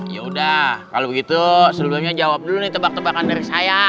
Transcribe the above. ya udah kalau begitu sebelumnya jawab dulu nih tebak tebakan dari saya